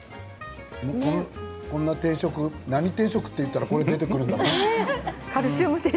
こんな定食何定食って言ったら出てくるんだろうな。